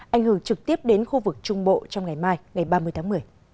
ảnh hưởng trực tiếp đến khu vực trung bộ trong ngày mai ngày ba mươi tháng một mươi